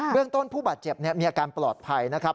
เรื่องต้นผู้บาดเจ็บมีอาการปลอดภัยนะครับ